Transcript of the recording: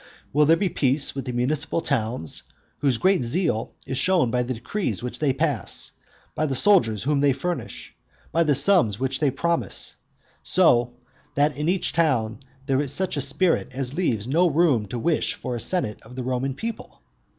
Will there be peace with the municipal towns, whose great zeal is shown by the decrees which they pass, by the soldiers whom they furnish, by the sums which they promise, so that in each town there is such a spirit as leaves no one room to wish for a senate of the Roman people?